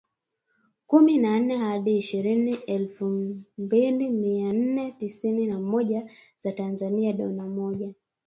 kumi na nne hadi shilingi elfu mbili mia nane sitin na moja za Tanzania dola moja